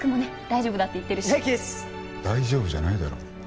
大丈夫じゃないだろ。